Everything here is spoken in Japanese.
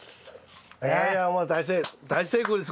いやいやもう大成功ですこれは。